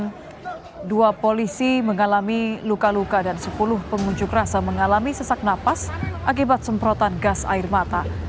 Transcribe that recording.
korban dua polisi mengalami luka luka dan sepuluh pengunjuk rasa mengalami sesak napas akibat semprotan gas air mata